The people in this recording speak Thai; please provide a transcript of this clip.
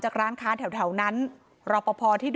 ครับ